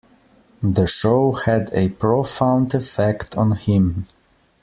The show had a profound effect on him.